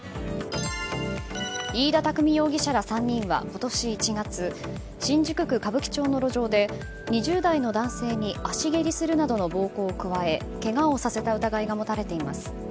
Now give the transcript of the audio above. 飯田拓海容疑者ら３人は今年１月新宿区歌舞伎町の路上で２０代の男性に足蹴りするなどの暴行を加えけがをさせた疑いが持たれています。